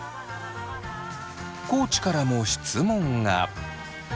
地からも質問が。